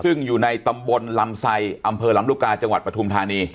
ซึ่งอยู่ในตำบลลำไซอำเภอลำลูกกาจังหวัดปฐุมธานี